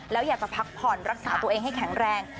แล้วอยากจะพักผ่อนรักษาตัวเองให้แข็งแรง